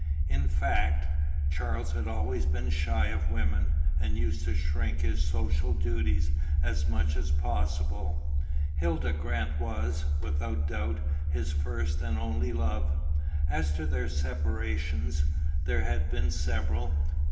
In fact, Charles had always been shy of women, and used to shirk his social duties as much as possible. Hilda Grant was, without doubt, his first and only love. As to their separations, there had been several.